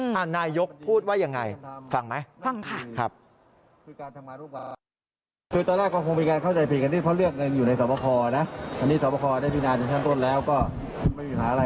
ถ้านายยกพูดว่าอย่างไรฟังไหม